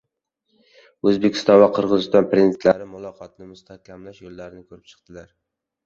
O‘zbekiston va Qirg‘iziston Prezidentlari muloqotni mustahkamlash yo‘llarini ko‘rib chiqdilar